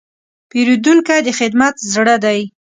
پیرودونکی د خدمت زړه دی.